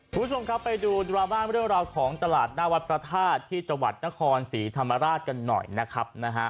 คุณผู้ชมครับไปดูดราม่าเรื่องราวของตลาดหน้าวัดพระธาตุที่จังหวัดนครศรีธรรมราชกันหน่อยนะครับนะฮะ